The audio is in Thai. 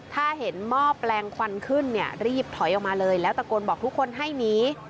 ถ้าเห็นหม้อแปลงควันขึ้นเนี่ยรีบถอยออกมาเลยแล้วตะโกนบอกทุกคนให้หนี